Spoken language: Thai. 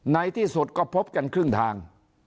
ในที่สุดก็พบกันครึ่งทาง